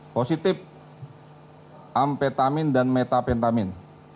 positif ampetamin dan metapentamin